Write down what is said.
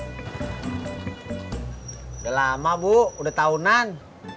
sudah lama bu udah tahunan